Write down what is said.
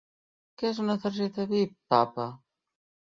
Què és una targeta Vip, papa?